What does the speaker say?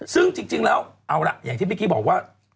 ซึ่งจริงแล้วเอาล่ะเหตุผิดพลิกี้บอกว่า